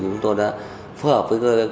chúng tôi đã phối hợp với công an